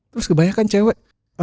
terus kebanyakan cewek